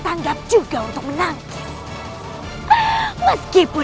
aku akan menghafalmu